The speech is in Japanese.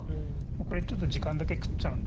これちょっと時間だけ食っちゃうんで。